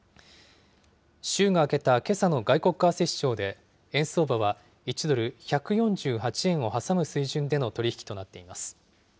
週が明けたけさの外国為替市場で、円相場は１ドル１４８円を挟む水準での取り引きとなっています。